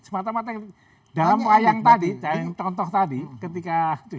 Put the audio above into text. semata mata dalam wayang tadi yang tonton tadi ketika